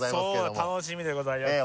楽しみでございます。